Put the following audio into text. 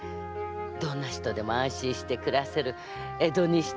どんな人でも安心して暮らせる江戸にしてくだされよ。